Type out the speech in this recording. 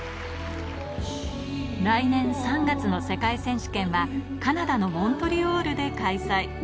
来年３月の世界選手権はカナダのモントリオールで開催